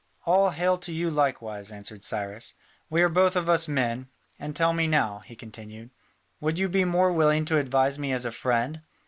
"All hail to you likewise," answered Cyrus: "we are both of us men. And tell me now," he continued, "would you be more willing to advise me as a friend?"